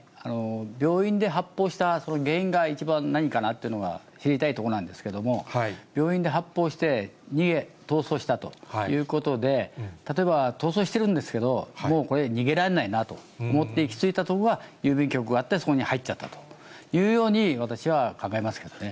病院で発砲したその原因が一番何かなというのが知りたいところなんですけれども、病院で発砲して逃げ、逃走したということで、例えば、逃走してるんですけど、もうこれ、逃げられないなと思って、行き着いた所が郵便局があって、そこに入っちゃったというように、私は考えますけどね。